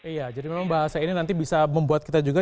iya jadi memang bahasa ini nanti bisa membuat kita juga